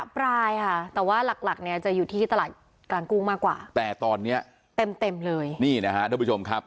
ปลายค่ะแต่ว่าหลักเนี่ยจะอยู่ที่ตลาดกลางกุ้งมากกว่าแต่ตอนนี้เต็มเลยนี่นะครับเดี๋ยวผู้ชมครับ